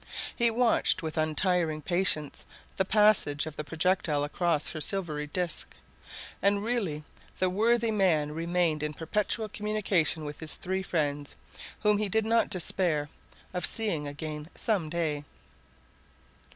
He watched with untiring patience the passage of the projectile across her silvery disc, and really the worthy man remained in perpetual communication with his three friends, whom he did not despair of seeing again some day.